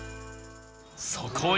そこへ